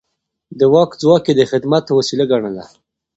د واک ځواک يې د خدمت وسيله ګڼله.